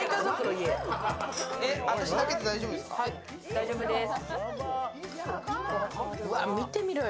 大丈夫です。